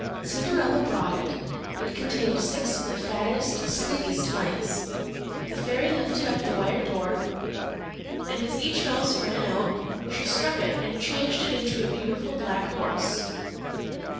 Cinderella brought it; it contained six of the fattest, sleekest mice. The fairy lifted up the wire door, and as each mouse ran out she struck it and changed it into a beautiful black horse.